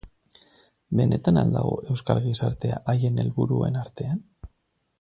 Benetan al dago euskal gizartea haien helburuen artean?